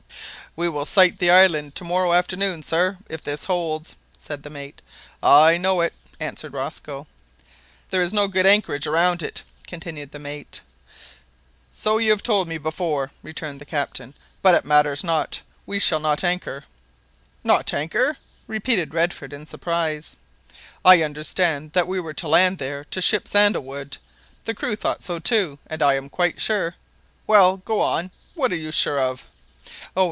"We will sight the island to morrow afternoon, sir, if this holds," said the mate. "I know it," answered Rosco. "There is no good anchorage around it," continued the mate. "So you have told me before," returned the captain, "but it matters not; we shall not anchor." "Not anchor!" repeated Redford in surprise. "I understood that we were to land there to ship sandal wood. The crew thought so too, and I'm quite sure " "Well go on what are you sure of?" "Oh!